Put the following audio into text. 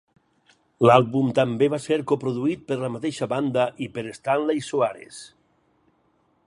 L'àlbum també va ser co-produït per la mateixa banda i per Stanley Soares.